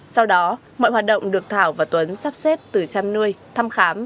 sau đó mọi hoạt động được thảo và tuấn sắp xếp từ chăm nuôi thăm khám